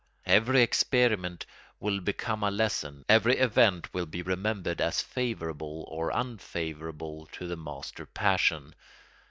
Every experiment will become a lesson, every event will be remembered as favourable or unfavourable to the master passion.